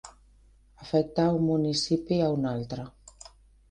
Afectar un municipi a un altre.